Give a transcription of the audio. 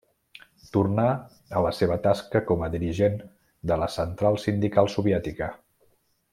Tornà a la seva tasca com a dirigent de la central sindical soviètica.